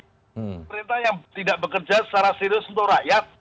pemerintah yang tidak bekerja secara serius untuk rakyat